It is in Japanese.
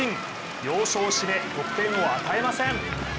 要所を締め得点を与えません。